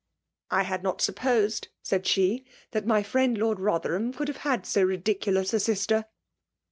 ^* I had not supposed/* said she« *' that my firiend Lord Botherham could have so lidi culous a sister."